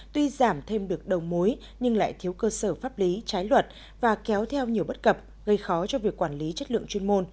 tuy giảm thêm được đầu mối nhưng lại thiếu cơ sở pháp lý trái luật và kéo theo nhiều bất cập gây khó cho việc quản lý chất lượng chuyên môn